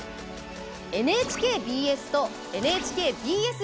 ＮＨＫＢＳとＮＨＫＢＳ